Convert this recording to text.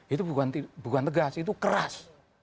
itu bukan tegas itu keras